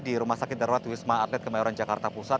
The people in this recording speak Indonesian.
di rumah sakit darurat wisma atlet kemayoran jakarta pusat